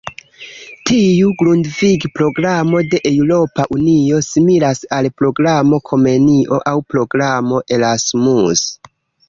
Tiu Grundvig-programo de Eŭropa Unio similas al programo Komenio aŭ programo Erasmus.